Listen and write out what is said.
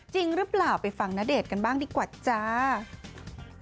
จริงหรือเปล่าไปฟังณเดชน์กันบ้างดีกว่าจ้า